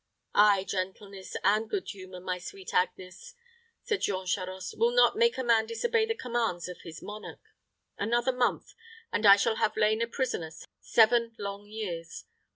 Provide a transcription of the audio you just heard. "Ay, gentleness and good humor, my sweet Agnes," said Jean Charost, "will not make a man disobey the commands of his monarch. Another month, and I shall have lain a prisoner seven long years.